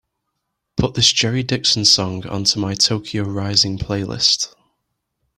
Put this Jerry Dixon song onto my Tokyo Rising playlist.